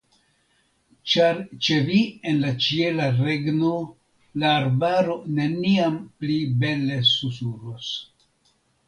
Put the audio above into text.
Ĉar ĉe vi en la ĉiela regno la arbaro neniam pli bele susuros!